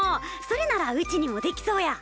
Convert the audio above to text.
それならうちにもできそうや。